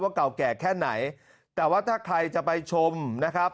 เก่าแก่แค่ไหนแต่ว่าถ้าใครจะไปชมนะครับ